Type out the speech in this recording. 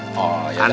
oh ya kan